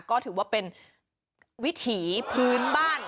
ก็ถือว่าเป็นวิถีพื้นบ้าน